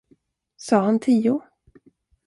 Sa han tio?